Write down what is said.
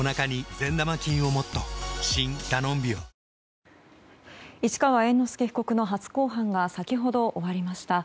めん話つづけて市川猿之助被告の初公判が先ほど終わりました。